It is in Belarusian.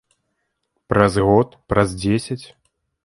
Праз год, праз дзесяць?